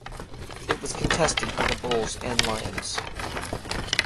It was contested by the Bulls and Lions.